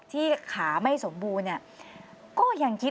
ที่ขาไม่สมบูรณ์เนี่ยก็ยังคิด